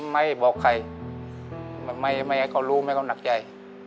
ไม่บอกใครไม่ก็รู้ไม่ก็หนักใจ